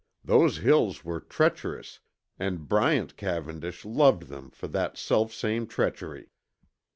Those hills were treacherous, and Bryant Cavendish loved them for that selfsame treachery.